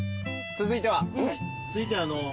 続いては。